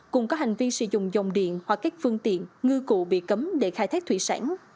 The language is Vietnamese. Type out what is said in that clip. cùng có hành vi sử dụng dòng điện hoặc các phương tiện ngư cụ bị cấm để khai thác thủy sản